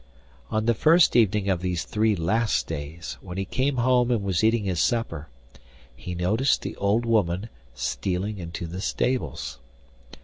On the first evening of these last three days, when he came home and was eating his supper, he noticed the old woman stealing into the stables.